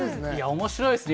面白いですね。